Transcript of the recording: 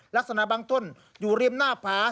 ลักษณะบางต้นอยู่ริมหน้าผา